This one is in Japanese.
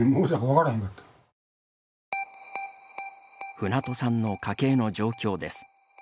船戸さんの家計の状況です。